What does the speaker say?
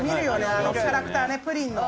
あのキャラクターねプリンの。